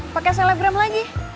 pakai selebrem lagi